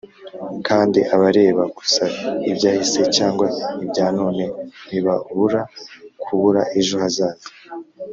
"kandi abareba gusa ibyahise cyangwa ibya none ntibabura kubura ejo hazaza."